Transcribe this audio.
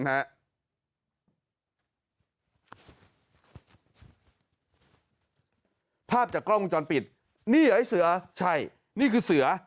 ภาพจากกล้องวงจรปิดนี่เหรอไอ้เสือใช่นี่คือเสือ